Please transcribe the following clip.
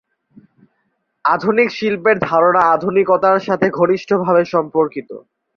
আধুনিক শিল্পের ধারণা আধুনিকতার সঙ্গে ঘনিষ্ঠভাবে সম্পর্কিত।